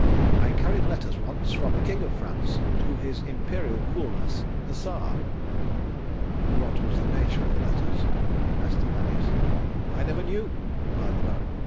I carried letters once from the King of France to his Imperial Coolness the Czar." "What was the nature of the letters?" asked Ananias. "I never knew," replied the Baron.